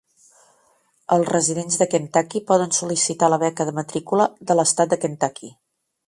Els residents de Kentucky poden sol·licitar la beca de matrícula de l'Estat de Kentucky.